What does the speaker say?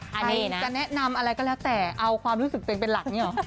ใครจะแนะนำอะไรก็แล้วแต่เอาความรู้สึกตัวเองเป็นหลักอย่างนี้หรอ